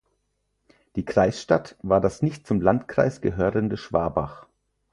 Die Kreisstadt war das nicht zum Landkreis gehörende Schwabach.